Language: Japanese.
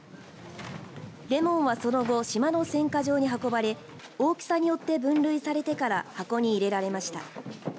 れもんはその後島の選果場に運ばれ大きさによって分類されてから箱に入れられました。